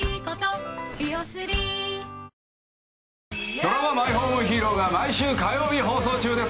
ドラマ「マイホームヒーロー」が毎週火曜日放送中です。